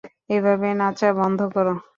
এভাবে নাচা বন্ধ করো!